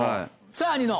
さぁニノ。